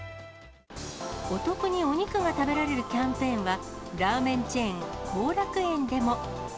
お得にお肉が食べられるキャンペーンは、ラーメンチェーン、幸楽苑でも。